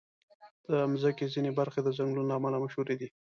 د مځکې ځینې برخې د ځنګلونو له امله مشهوري دي.